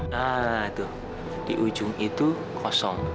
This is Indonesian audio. nah itu di ujung itu kosong